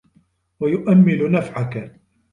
وَيُؤَمِّلُ نَفْعَكَ